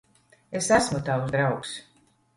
Es esmu tavs draugs.